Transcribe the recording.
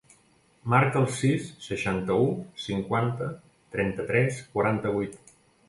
Marca el sis, seixanta-u, cinquanta, trenta-tres, quaranta-vuit.